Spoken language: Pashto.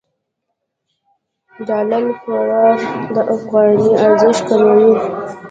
د ډالر فرار د افغانۍ ارزښت کموي.